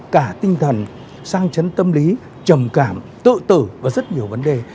cả tinh thần sang chấn tâm lý trầm cảm tự tử và rất nhiều vấn đề